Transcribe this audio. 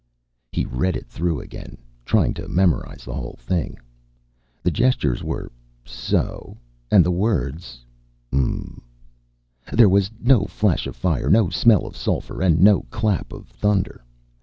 He read it through again, trying to memorize the whole thing. The gestures were so and the words umm.... There was no flash of fire, no smell of sulphur, and no clap of thunder.